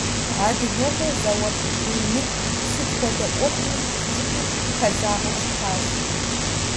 АдыгэлӀыр зауэлӏ къудей мыхъуу, сыт хуэдэ Ӏуэхуми хищӀыкӀыу, хэзагъэу щытащ.